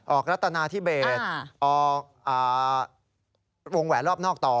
ออกรัตนาที่เบสออกวงแหวนรอบนอกต่อ